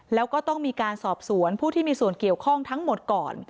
แล้วก็ต้องมีการสอบสวนผู้ที่มีส่วนเกี่ยวข้องทั้งหมดก่อน